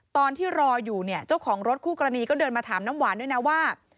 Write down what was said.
ตอนที่รออยู่เนี่ยเจ้าของรถคู่กรณีก็เดินมาถามน้ำหวานด้วยนะว่า